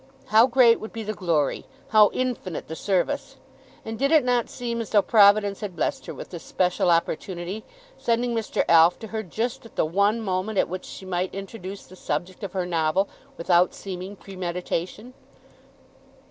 How great would be the glory, how infinite the service! And did it not seem as though Providence had blessed her with this special opportunity, sending Mr. Alf to her just at the one moment at which she might introduce the subject of her novel without seeming premeditation?